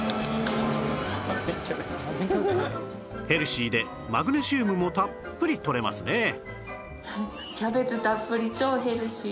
ヘルシーでマグネシウムもたっぷりとれますね